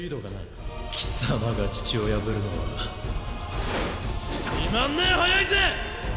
貴様が父親ぶるのは２万年早いぜ！